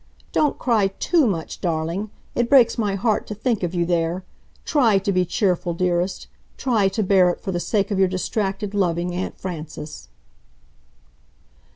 "Don't cry TOO much, darling ... it breaks my heart to think of you there! TRY to be cheerful, dearest! TRY to bear it for the sake of your distracted, loving Aunt Frances."